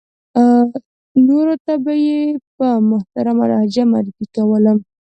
نورو ته به یې په محترمه لهجه معرفي کولم.